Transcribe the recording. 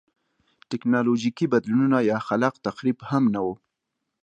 ټکنالوژیکي بدلونونه یا خلاق تخریب هم نه و.